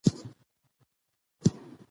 مثالونه او تشبیهات وینا ښکلې کوي.